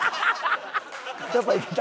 やっぱいけた？